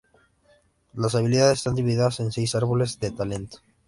Las habilidades están divididas en seis árboles de talento.